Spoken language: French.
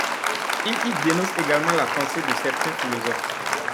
Il y dénonce également la pensée de certains philosophes.